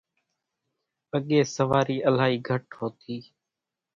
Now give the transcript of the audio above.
اڳيَ سوارِي الائِي گھٽ هوتِي۔